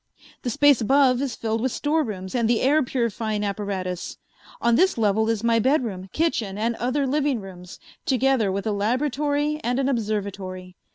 The space above is filled with storerooms and the air purifying apparatus. On this level is my bedroom, kitchen, and other living rooms, together with a laboratory and an observatory.